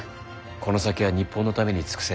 この先は日本のために尽くせ。